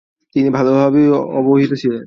তিনি ভালোভাবেই অবহিত ছিলেন।